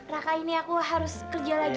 raka ini aku harus kerja lagi